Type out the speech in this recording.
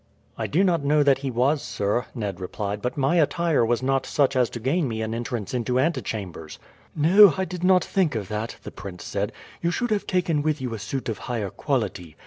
"I do not know that he was, sir," Ned replied; "but my attire was not such as to gain me an entrance into antechambers." "No, I did not think of that," the prince said. "You should have taken with you a suit of higher quality.